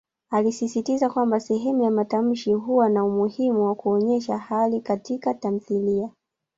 Alisisitiza kwamba sehemu ya matamshi huwa na umuhimu wa kuonyesha hali Kati ka tamthilia.